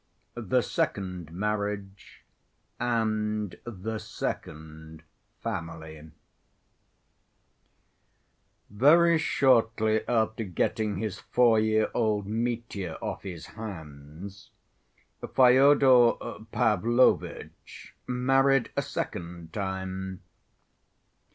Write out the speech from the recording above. The Second Marriage And The Second Family Very shortly after getting his four‐year‐old Mitya off his hands Fyodor Pavlovitch married a second time.